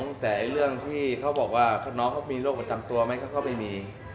ตั้งแต่เรื่องที่เขาบอกว่าน้องเขามีโรคประจำตัวไหมเขาก็ไม่มี